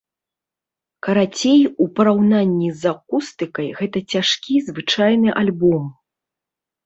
Карацей, у параўнанні з акустыкай гэта цяжкі звычайны альбом.